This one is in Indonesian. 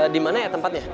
gimana ya tempatnya